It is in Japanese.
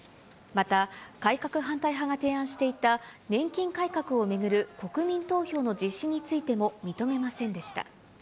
また、改革反対派が提案していた年金改革を巡る国民投票の実施についても認めませんでした。